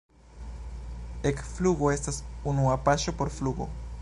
Ekflugo estas unua paŝo por flugo.